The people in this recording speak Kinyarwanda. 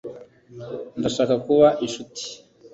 ndashaka kuba inshuti